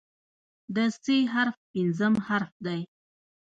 د "ث" حرف پنځم حرف دی.